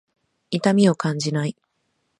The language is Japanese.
痛みを感じない。